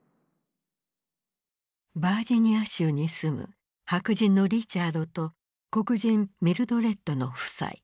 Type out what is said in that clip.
バージニア州に住む白人のリチャードと黒人ミルドレッドの夫妻。